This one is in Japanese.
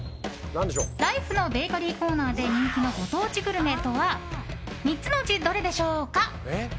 ライフのベーカリーコーナーで人気のご当地グルメとは３つのうちどれでしょうか？